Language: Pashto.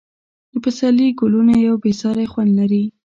د پسرلي ګلونه یو بې ساری خوند لري.